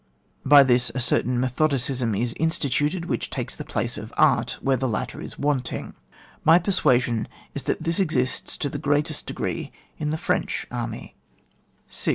By this, a certain methodicism is insti tuted which takes the place of art, where the latter is wanting. My persuasion is that this exists to the greatest degree in the French army. %« SJf^MJllY §F IlfSTMUCTION. 105 6.